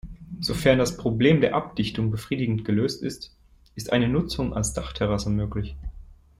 Sofern das Problem der Abdichtung befriedigend gelöst ist, ist eine Nutzung als Dachterrasse möglich.